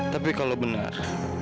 tapi kalau benar